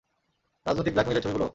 রাজনৈতিক ব্ল্যাকমেইলের ছবিগুলো?